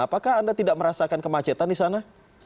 apakah anda tidak merasakan kemacetan di sana